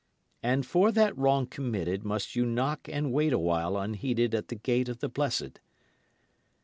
And for that wrong committed must you knock and wait a while unheeded at the gate of the blessed.